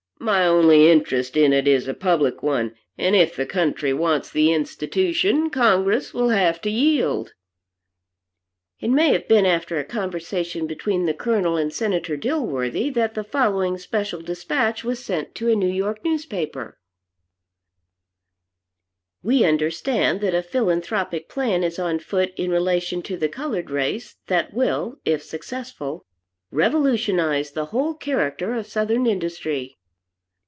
"My only interest in it is a public one, and if the country wants the institution, Congress will have to yield." It may have been after a conversation between the Colonel and Senator Dilworthy that the following special despatch was sent to a New York newspaper: "We understand that a philanthropic plan is on foot in relation to the colored race that will, if successful, revolutionize the whole character of southern industry.